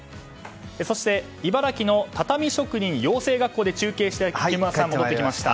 そして、茨城の畳職人養成学校で中継していた木村さんが戻ってきました。